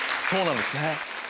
そうなんです